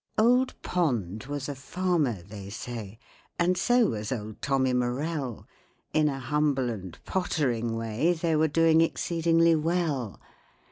Old POND was a farmer, they say, And so was old TOMMY MORELL. In a humble and pottering way They were doing exceedingly well.